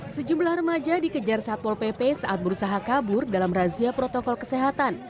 sejumlah remaja dikejar satpol pp saat berusaha kabur dalam razia protokol kesehatan